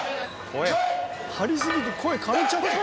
張り過ぎて声かれちゃって。